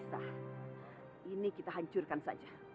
sah ini kita hancurkan saja